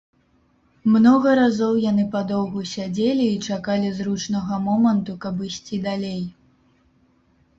Многа разоў яны падоўгу сядзелі і чакалі зручнага моманту, каб ісці далей.